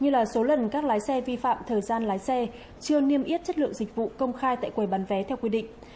như số lần các lái xe vi phạm thời gian lái xe chưa niêm yết chất lượng dịch vụ công khai tại quầy bán vé theo quy định